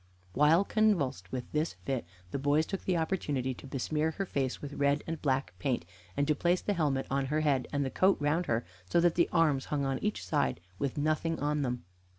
While convulsed with this fit, the boys took the opportunity to besmear her face with red and black paint, and to place the helmet on her head, and the coat round her, so that the arms hung on each side with nothing on them.